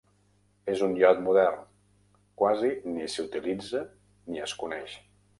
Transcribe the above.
En un iot modern, quasi ni s'utilitza ni es coneix.